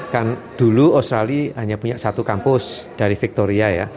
kan dulu australia hanya punya satu kampus dari victoria ya